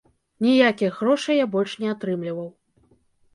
Ніякіх грошай я больш не атрымліваў.